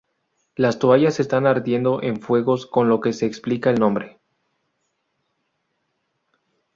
Las toallas están ardiendo en fuegos con lo que se explica el nombre.